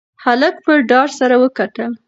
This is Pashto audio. هلک په ډار سره وکتل.